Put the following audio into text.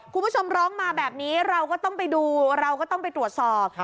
คุณผู้ชมร้องมาแบบนี้เราก็ต้องไปดูเราก็ต้องไปตรวจสอบ